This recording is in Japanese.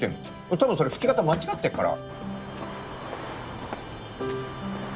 多分それ拭き方間違ってるから。